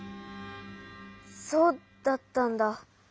そうだったんだ。